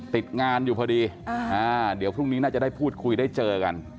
ติดงานอยู่พอดีเดี๋ยวพรุ่งนี้น่าจะได้พูดคุยได้เจอกัน